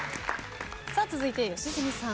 続いて吉住さん。